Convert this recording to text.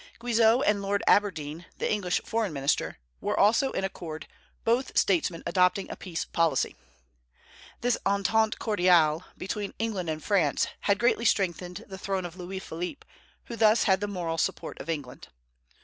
Guizot and Lord Aberdeen, the English foreign minister, were also in accord, both statesmen adopting a peace policy. This entente cordiale between England and France had greatly strengthened the throne of Louis Philippe, who thus had the moral support of England.